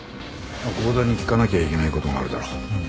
剛田に聞かなきゃいけない事があるだろ。